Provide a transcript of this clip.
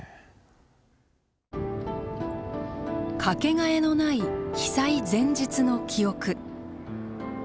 かけがえのない被災前日の記憶。